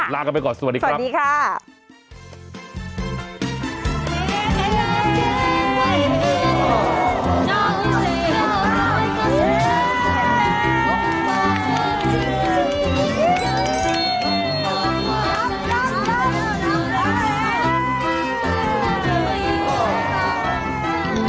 ลากันไปก่อนสวัสดีครับสวัสดีค่ะ